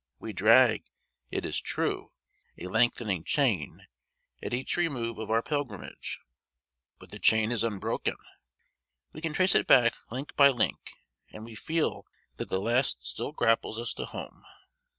We drag, it is true, "a lengthening chain" at each remove of our pilgrimage; but the chain is unbroken; we can trace it back link by link; and we feel that the last still grapples us to home.